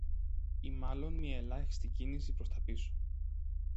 Ή μάλλον μια ελάχιστη κίνηση προς τα πίσω